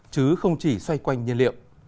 chứ không chỉ xoay quanh nhiên liệu